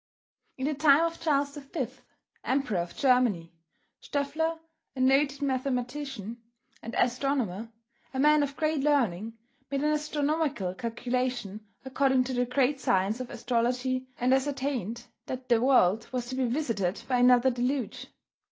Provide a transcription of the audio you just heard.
In the time of Charles the Fifth, Emperor of Germany, Stoefflerer, a noted mathematician and astronomer, a man of great learning, made an astronomical calculation according to the great science of astrology and ascertained that the world was to be visited by another deluge.